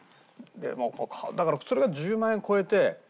だからそれが１０万円超えて。